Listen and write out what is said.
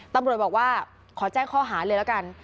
ตำรวจบอกว่าขอแจ้งข้อหาเลยแล้วกัน